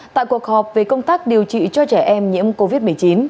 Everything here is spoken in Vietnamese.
tại cuộc họp về công tác điều trị cho trẻ em nhiễm covid một mươi chín